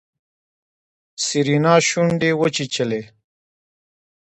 سېرېنا شونډې وچيچلې.